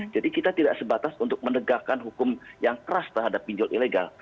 jadi kita tidak sebatas untuk menegakkan hukum yang keras terhadap pinjol ilegal